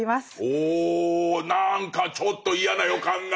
おお何かちょっと嫌な予感が。